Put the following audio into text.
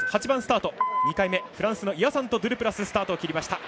８番スタート、２回目フランスのイアサント・ドゥルプラス。